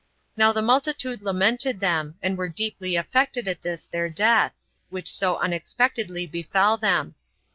Now the multitude lamented them, and were deeply affected at this their death, which so unexpectedly befell them.